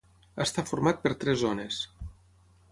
Està format per tres zones: